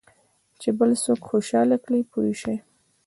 چې بل څوک خوشاله کړې پوه شوې!.